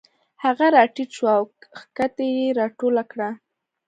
هغه راټیټ شو او کښتۍ یې راټوله کړه.